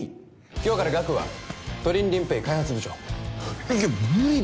今日からガクはトリンリンＰａｙ開発部長いや無理だよ！